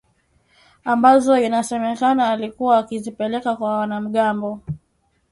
ambazo inasemekana alikuwa akizipeleka kwa wanamgambo